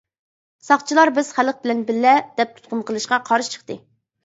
ساقچىلار بىز خەلق بىلەن بىللە دەپ تۇتقۇن قىلىشقا قارشى چىقتى.